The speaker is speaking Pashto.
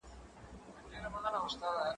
زه به اوږده موده زدکړه کړې وم!؟